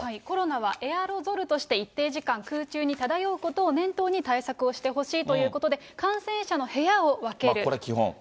コロナはエアロゾルとして、一定時間、空中に漂うことを念頭に対策をしてほしいということで、これ基本。